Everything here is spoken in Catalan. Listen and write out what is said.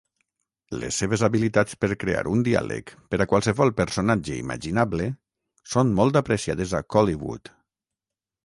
Les seves habilitats per crear un diàleg per a qualsevol personatge imaginable són molt apreciades a Kollywood.